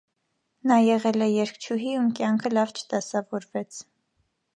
Նա եղել էր երգչուհի, ում կյանքը լավ չդասավորվեց։